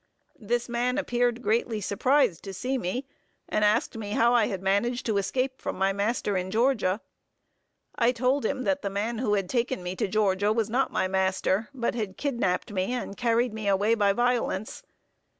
This man appeared greatly surprised to see me; and asked me how I had managed to escape from my master in Georgia. I told him, that the man who had taken me to Georgia was not my master; but had kidnapped me, and carried me away by violence.